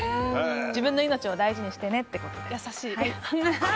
自分の命を大事にしてねってことで。